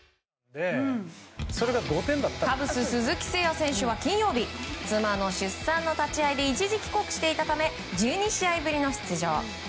カブス、鈴木誠也選手は金曜日妻の出産の立ち合いで一時帰国していたため１２試合ぶりの出場。